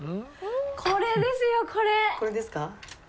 これですか？